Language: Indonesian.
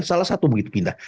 salah satu begitu pindah